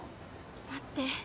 待って。